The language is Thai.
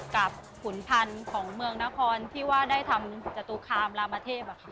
ขุนพันธุ์ของเมืองนครที่ว่าได้ทำจตุคามรามเทพ